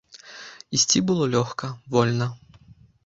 Ісці было лёгка, вольна.